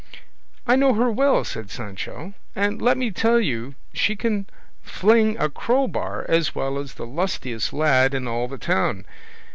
"I know her well," said Sancho, "and let me tell you she can fling a crowbar as well as the lustiest lad in all the town.